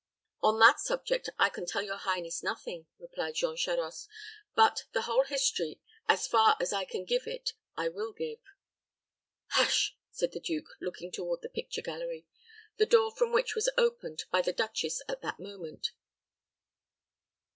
"On that subject I can tell your highness nothing," replied Jean Charost; "but the whole history, as far as I can give it, I will give." "Hush!" said the duke, looking toward the picture gallery, the door from which was opened by the duchess at that moment.